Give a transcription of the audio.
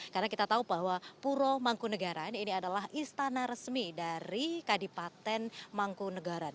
karena kita tahu bahwa puromangku negara ini adalah istana resmi dari kadipaten mangku negara